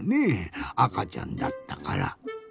あかちゃんだったから。